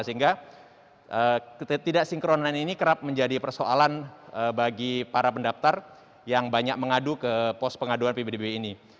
sehingga ketidaksinkronan ini kerap menjadi persoalan bagi para pendaftar yang banyak mengadu ke pos pengaduan pbdb ini